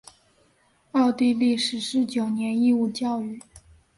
奥地利实施九年义务教育。